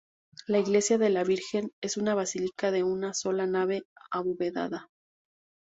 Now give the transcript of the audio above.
La iglesia de la Virgen es una basílica de una sola nave abovedada.